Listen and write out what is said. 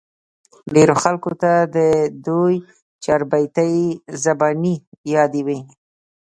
ډېرو خلقو ته د دوي چاربېتې زباني يادې وې